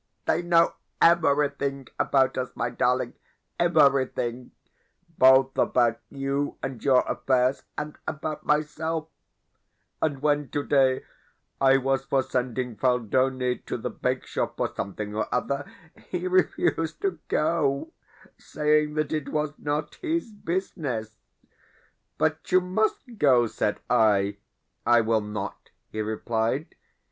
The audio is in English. They know EVERYTHING about us, my darling, EVERYTHING both about you and your affairs and about myself; and when today I was for sending Phaldoni to the bakeshop for something or other, he refused to go, saying that it was not his business. "But you MUST go," said I. "I will not," he replied.